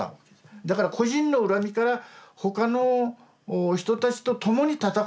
だから個人の恨みから他の人たちと共に闘おうって。